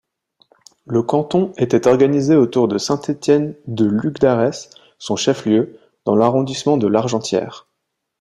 Le canton était organisé autour de Saint-Étienne-de-Lugdarès son chef-lieu, dans l'arrondissement de Largentière.